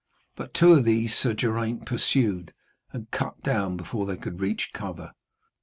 But two of these Sir Geraint pursued, and cut down before they could reach cover.